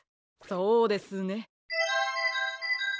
そうですね。